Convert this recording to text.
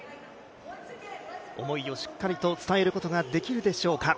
思いをしっかりと伝えることができるでしょうか。